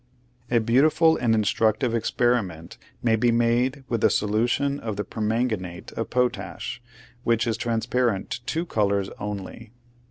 A beautiful and instructive experiment may be made with a solution of the permanganate of potash, which is transparent to two colors only.